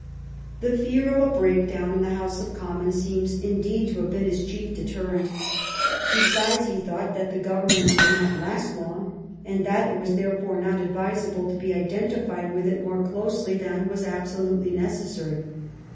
The fear of a breakdown in the House of Commons seems, indeed, to have been his chief deterrent. Besides, he thought that the Govemmept would not last long, and that it was therefore not advisable to be identified with it more closely than was absolutely necessary.